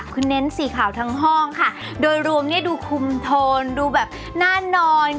คุณเน้นสีขาวทั้งห้องค่ะโดยรวมเนี่ยดูคุมโทนดูแบบหน้านอน